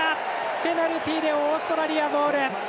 ペナルティでオーストラリアボール。